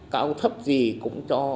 cao thấp gì cũng cho